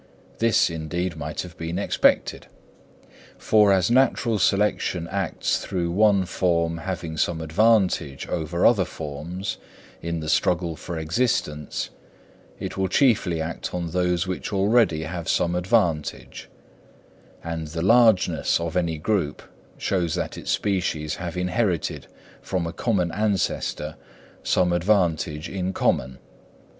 This, indeed, might have been expected; for as natural selection acts through one form having some advantage over other forms in the struggle for existence, it will chiefly act on those which already have some advantage; and the largeness of any group shows that its species have inherited from a common ancestor some advantage in common.